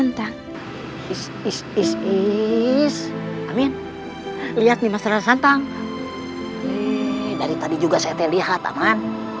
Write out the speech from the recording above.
tentang isisis amin lihat nih mas rang vaultang dari tadi juga saya lihat aman